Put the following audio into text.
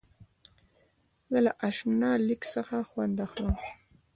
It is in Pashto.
زه له انشا لیک څخه خوند اخلم.